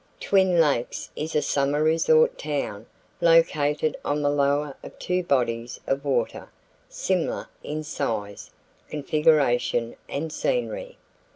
Twin Lakes is a summer resort town located on the lower of two bodies of water, similar in size, configuration, and scenery.